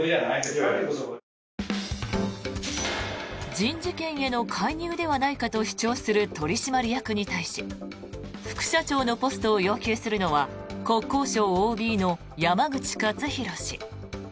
人事権への介入ではないかと主張する取締役に対し副社長のポストを要求するのは国交省ＯＢの山口勝弘氏。